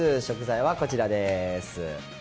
食材はこちらです。